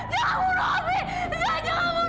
jangan jangan bunuh opi